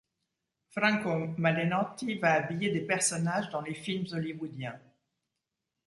Franco Malenotti va habiller des personnage dans les films Hollywoodien.